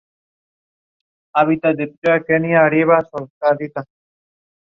The nearest Copenhagen Metro station is Forum.